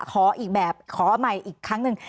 ขออีกแบบขอใหม่อีกครั้งหนึ่ง